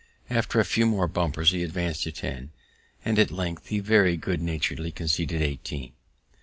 After a few more bumpers he advanc'd to ten; and at length he very good naturedly conceded eighteen.